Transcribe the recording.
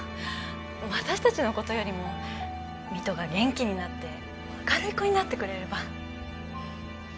私たちの事よりも美都が元気になって明るい子になってくれれば。